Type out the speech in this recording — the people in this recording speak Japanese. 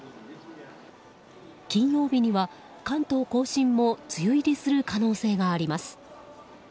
金曜日には、関東・甲信も梅雨入りする可能性があります。